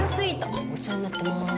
お世話になってます。